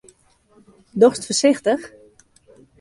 Dochst foarsichtich?